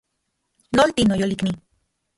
Nolti, noyolikni